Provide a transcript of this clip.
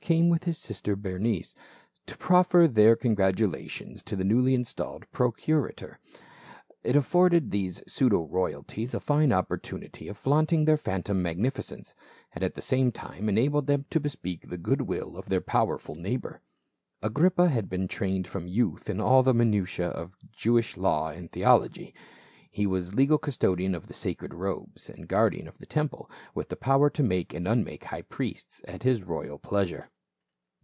came with his sister Berenice, to proffer their con gratulations to the newly installed procurator ; it afforded these pseudo royalties a fine opportunity of flaunting their phantom magnificence, and at the same time enabled them to bespeak the good will of their powerful neighbor. Agrippa had been trained from youth in all the minutiae of Jewish law and theology ; he was legal custodian of the sacred robes and guar dian of the temple, with the power to make and un make high priests at his royal pleasure.